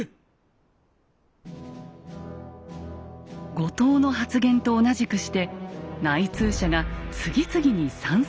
後藤の発言と同じくして内通者が次々に賛成を表明。